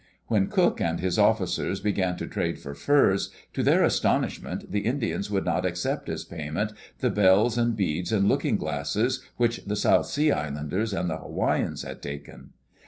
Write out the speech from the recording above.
When Cook and his officers began to trade for furs, to their astonishment the Indians would not accept as payment the bells and beads and looking glasses which the South Sea Islanders and die Hawaiians had taken.